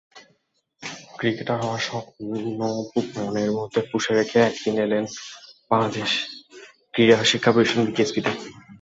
Cricketer হওয়ার স্বপ্ন মনের মধ্যে পুষে রেখেই একদিন এলেন বাংলাদেশ ক্রীড়া শিক্ষা প্রতিষ্ঠান—বিকেএসপিতে।